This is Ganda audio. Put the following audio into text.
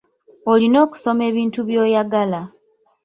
Olina okusoma ebintu by’oyagala.